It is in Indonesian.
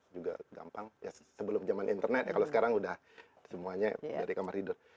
juga gampang ya sebelum jaman internet kalau sekarang udah semuanya dari kamar tidur